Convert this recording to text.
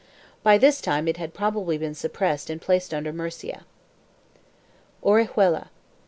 By this time it had probably been suppressed and placed under Murcia.2 • ORIHUELA.